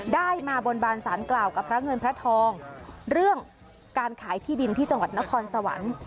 ได้มาบนบานสารกล่าวกับพระเงินพระทองเรื่องการขายที่ดินที่จังหวัดนครสวรรค์